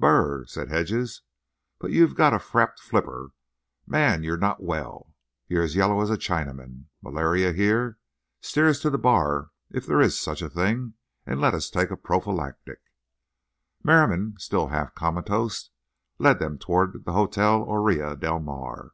"Br r r r!" said Hedges. "But you've got a frappéd flipper! Man, you're not well. You're as yellow as a Chinaman. Malarial here? Steer us to a bar if there is such a thing, and let's take a prophylactic." Merriam, still half comatose, led them toward the Hotel Orilla del Mar.